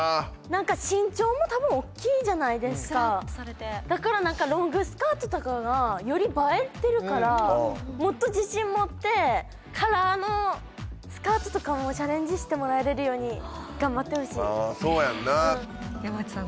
身長も多分大きいじゃないですかスラっとされてだからなんかもっと自信持ってカラーのスカートとかもチャレンジしてもらえれるように頑張ってほしいそうやんな山内さん